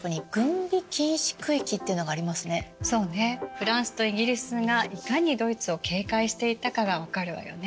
フランスとイギリスがいかにドイツを警戒していたかが分かるわよね。